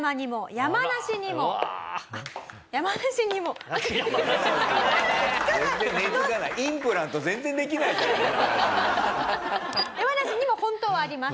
山梨にも本当はあります。